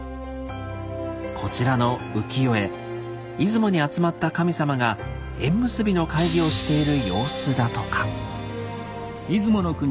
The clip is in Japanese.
こちらの浮世絵出雲に集まった神様が縁結びの会議をしている様子だとか。